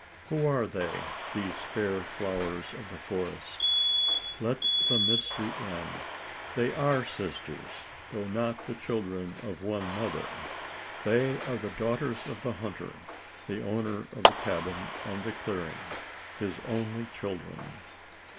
Who are they these fair flowers of the forest? Let the mystery end. They are sisters though not the children of one mother. They are the daughters of the hunter the owner of the cabin and clearing his only children.